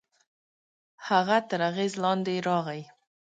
هغه تر اغېز لاندې يې راغی.